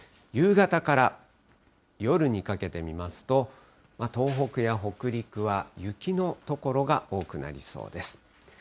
夕方から夜にかけて見ますと、東北や北陸は雪の所が多くなりそうです。